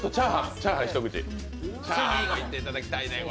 チャーハンもいっていただきたいね。